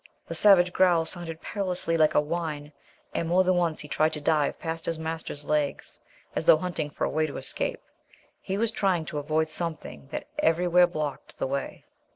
The savage growl sounded perilously like a whine, and more than once he tried to dive past his master's legs, as though hunting for a way of escape. He was trying to avoid something that everywhere blocked the way.